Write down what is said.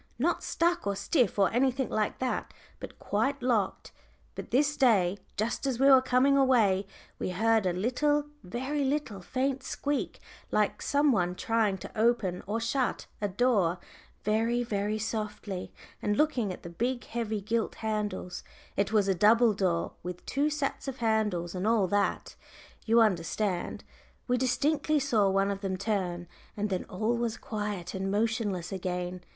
Not stuck or stiff, or anything like that, but quite locked. But this day, just as we were coming away, we heard a little, very little, faint squeak, like some one trying to open or shut a door very, very softly, and looking at the big heavy gilt handles it was a double door, with two sets of handles and all that, you understand we distinctly saw one of them turn, and then all was quiet and motionless again.